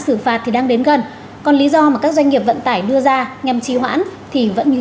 xử phạt thì đang đến gần còn lý do mà các doanh nghiệp vận tải đưa ra nhằm trì hoãn thì vẫn như